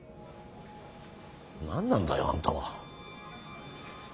何なんだよあんたは。